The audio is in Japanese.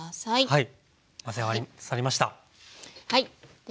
はい。